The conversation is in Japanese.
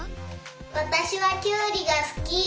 わたしはきゅうりがすき。